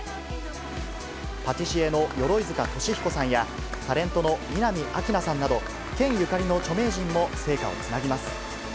パティシエの鎧塚俊彦さんや、タレントの南明奈さんなど、県ゆかりの著名人も聖火をつなぎます。